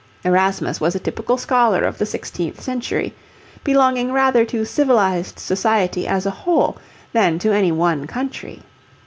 Erasmus was a typical scholar of the sixteenth century, belonging rather to civilized society as a whole than to any one country.